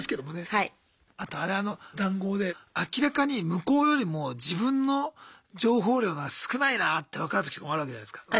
あと談合で明らかに向こうよりも自分の情報量が少ないなって分かる時もあるわけじゃないすか。